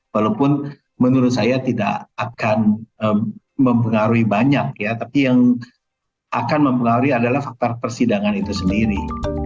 walaupun menurut saya tidak akan mempengaruhi banyak ya tapi yang akan mempengaruhi adalah faktor persidangan itu sendiri